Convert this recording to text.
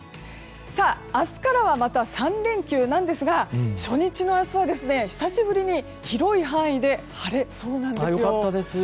明日からはまた３連休なんですが初日の明日は久しぶりに広い範囲で晴れそうなんですよ。